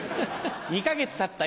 ２か月たった